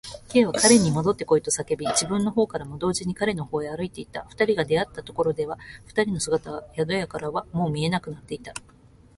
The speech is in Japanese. Ｋ は彼にもどってこいと叫び、自分のほうからも同時に彼のほうへ歩いていった。二人が出会ったところでは、二人の姿は宿屋からはもう見えなくなっていた。